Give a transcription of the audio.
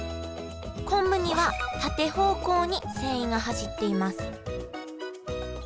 昆布には縦方向に繊維が走っています